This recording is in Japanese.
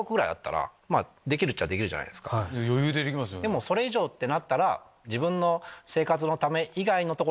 でもそれ以上ってなったら。